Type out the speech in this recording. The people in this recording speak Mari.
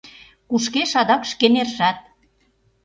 Кушкеш адак шке нержат!